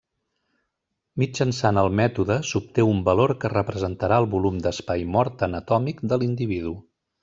Mitjançant el mètode s'obté un valor que representarà el volum d'espai mort anatòmic de l'individu.